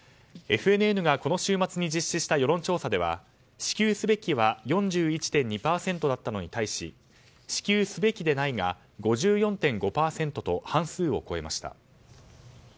ＦＮＮがこの週末に実施した世論調査では支給すべきは４１．２％だったのに対し支給すべきでないが５４．５％と半数を超えました。